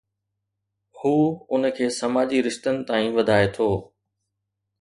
هو ان کي سماجي رشتن تائين وڌائي ٿو.